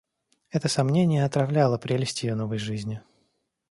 Это сомнение отравляло прелесть ее новой жизни.